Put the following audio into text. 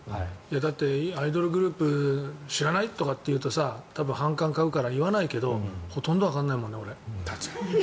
だってアイドルグループ知らないとかって言うと多分反感を買うから言わないけどほとんどわからないもんね。